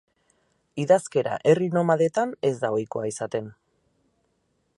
Idazkera herri nomadetan ez da ohikoa izaten.